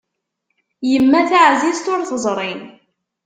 Yemma taɛzizt ur teẓri.